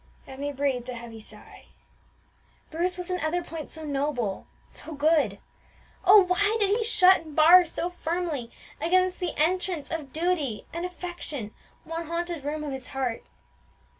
Emmie breathed a heavy sigh. Bruce was in other points so noble, so good, oh, why did he shut and bar so firmly against the entrance of duty and affection one haunted room of his heart!